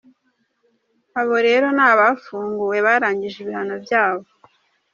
Abo rero ni abafunguwe, barangije ibihano byabo.